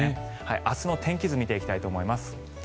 明日の天気図を見ていきたいと思います。